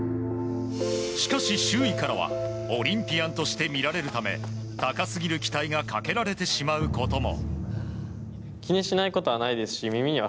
しかし、周囲からはオリンピアンとして見られるため高すぎる期待がかけられてしまうことも。